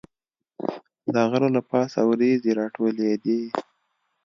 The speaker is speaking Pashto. د غره له پاسه وریځې راټولېدې.